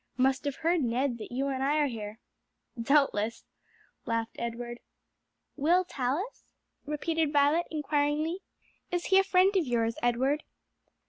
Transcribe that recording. "Must have heard, Ned, that you and I are here." "Doubtless," laughed Edward. "Will Tallis?" repeated Violet inquiringly. "Is he a friend of yours, Edward?"